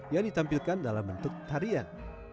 yang ditampilkan dalam bentuk tarian